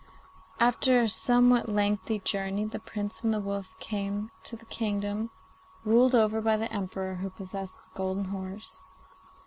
After a somewhat lengthy journey the Prince and the wolf came to the kingdom ruled over by the Emperor who possessed the golden horse.